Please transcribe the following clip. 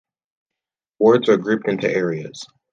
Wards are grouped into areas.